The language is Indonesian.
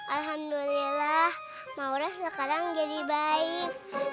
alhamdulillah maura sekarang jadi baik